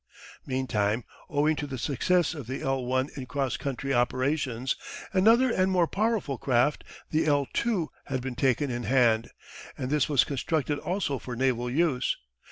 Meantime, owing to the success of the "L I" in cross country operations, another and more powerful craft, the "L II" had been taken in hand, and this was constructed also for naval use.